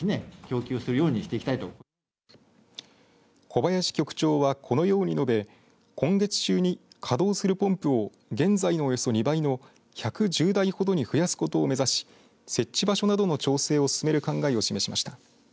小林局長は、このように述べ今月中に稼働するポンプを現在のおよそ２倍の１１０台ほどに増やすことを目指し設置場所などの調整を進める考えを示しました。